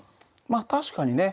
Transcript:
まあ確かにね。